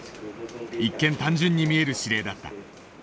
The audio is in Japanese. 一見単純に見える指令だった。